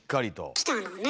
きたのね。